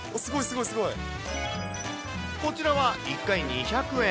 こちらは、１回２００円。